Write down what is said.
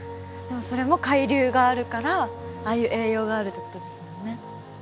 でもそれも海流があるからああいう栄養があるってことですもんね。